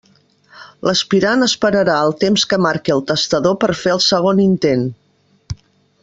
L'aspirant esperarà el temps que marqui el testador per fer el segon intent.